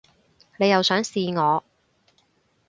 你又想試我